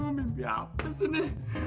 mimpi apa sih ini